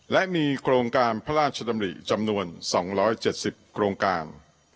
และมีโครงการพระราชดำริจำนวนสองร้อยเจ็ดสิบโครงการ